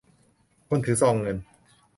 คนถือซองเงิน